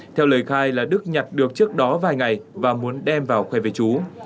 theo lời khai là đức nhặt được trước đó vài ngày và muốn đem vào khoe về trú